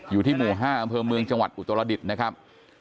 อยู่ที่หมู่๕อำเภอเมืองจังหวัดอุตรดิษฐ์นะครับ